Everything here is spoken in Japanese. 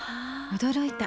驚いた。